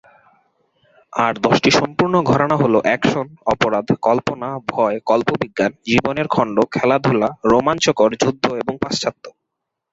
আর দশটি সম্পূর্ণ-ঘরানা হ'ল অ্যাকশন, অপরাধ, কল্পনা, ভয়, কল্পবিজ্ঞান, জীবনের খন্ড, খেলাধূলা, রোমাঞ্চকর, যুদ্ধ এবং পাশ্চাত্য।